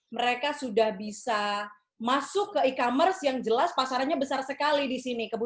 mereka sudah bisa masuk ke e commerce yang jelas pasarannya besar sekali di sini